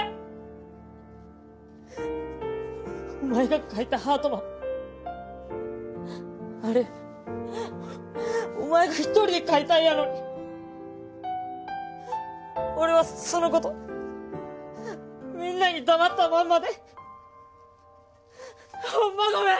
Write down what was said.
お前が描いたＨＥＡＲＴＭＡＮあれお前が１人で描いた絵やのに俺はそのことみんなに黙ったまんまでほんまごめん！